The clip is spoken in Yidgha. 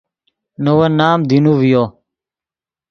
نے ون نام دینو ڤیو